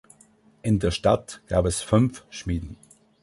In der Stadt gab es fünf Schmieden.